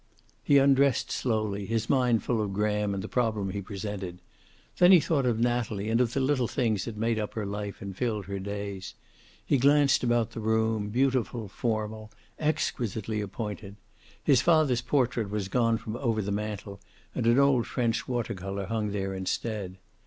He undressed slowly, his mind full of Graham and the problem he presented. Then he thought of Natalie, and of the little things that made up her life and filled her days. He glanced about the room, beautiful, formal, exquisitely appointed. His father's portrait was gone from over the mantel, and an old French water color hung there instead.